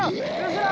後ろ！